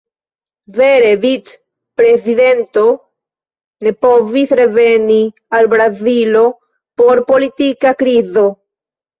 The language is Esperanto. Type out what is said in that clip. Vere, vic-prezidento ne povis reveni al Brazilo por politika krizo.